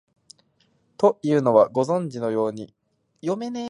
というのは、ご存じのように、貫之は「古今集」を編集したあと、